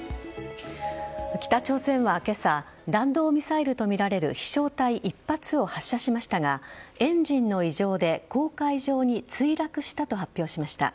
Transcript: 北朝鮮は今朝弾道ミサイルとみられる飛翔体１発を発射しましたがエンジンの異常で黄海上に墜落したと発表しました。